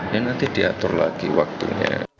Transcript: ya nanti diatur lagi waktunya